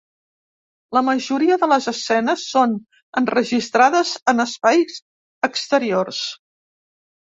La majoria de les escenes són enregistrades en espais exteriors.